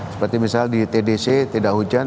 seperti misalnya di tdc tidak hujan